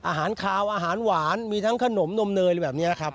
อาหารคาวอาหารหวานมีทั้งขนมนมเนยอะไรแบบนี้นะครับ